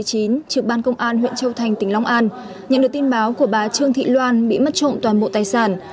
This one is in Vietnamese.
trưởng ban công an huyện châu thành tỉnh long an nhận được tin báo của bà trương thị loan bị mất trộm toàn bộ tài sản